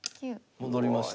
戻りました。